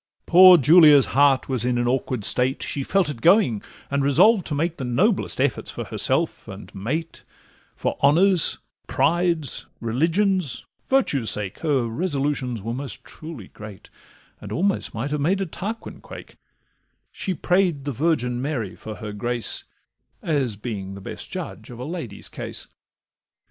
Poor Julia's heart was in an awkward state; She felt it going, and resolved to make The noblest efforts for herself and mate, For honour's, pride's, religion's, virtue's sake; Her resolutions were most truly great, And almost might have made a Tarquin quake: She pray'd the Virgin Mary for her grace, As being the best judge of a lady's case.